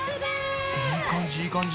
いい感じいい感じ。